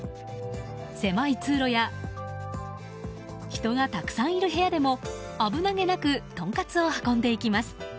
狭い通路や人がたくさんいる部屋でも危なげなくトンカツを運んでいきます。